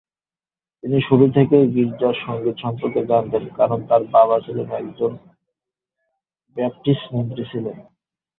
তিনি শুরু থেকেই গির্জার সঙ্গীত সম্পর্কে জানতেন, কারণ তার বাবা ছিলেন একজন ব্যাপটিস্ট মন্ত্রী ছিলেন।